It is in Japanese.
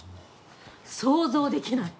想像できない。